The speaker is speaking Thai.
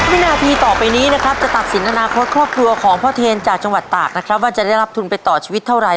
วินาทีต่อไปนี้นะครับจะตัดสินอนาคตครอบครัวของพ่อเทนจากจังหวัดตากนะครับว่าจะได้รับทุนไปต่อชีวิตเท่าไร